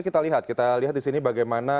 kita lihat kita lihat disini bagaimana